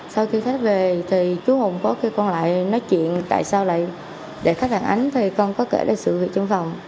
sau khi khách về thì chú hùng có kêu con lại nói chuyện tại sao lại để khách phản ánh thì con có kể lại sự việc trong phòng